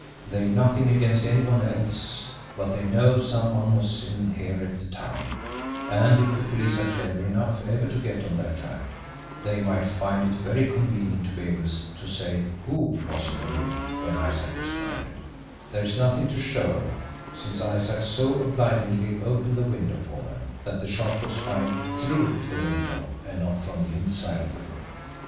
They've nothing against any one else, but they know some one was in here at the time, and, if the police are clever enough ever to get on their track, they might find it very convenient to be able to say WHO was in the room when Isaac was murdered there's nothing to show, since Isaac so obligingly opened the window for them, that the shot was fired THROUGH the window and not from the inside of the room.